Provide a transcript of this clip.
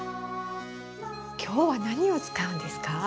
今日は何を使うんですか？